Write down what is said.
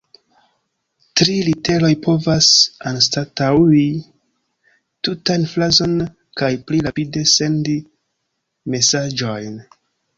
Tri literoj povas anstataŭi tutan frazon kaj pli rapide sendi mesaĝojn.